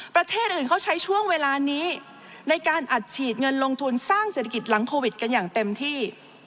ประเทศอื่นเขาใช้ช่วงเวลานี้ในการอัดฉีดเงินลงทุนสร้างเศรษฐกิจหลังโควิดกันอย่างเต็มที่